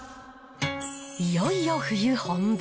いよいよ冬本番。